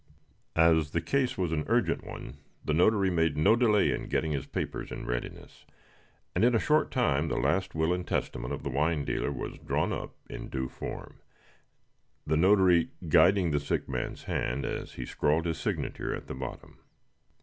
As the case was an urgent one, the notary made no delay in getting his papers in readiness; and in a short time the last will and testament of the wine dealer was drawn up in due form, the notary guiding the sick man's hand as he scrawled his signature at the bottom.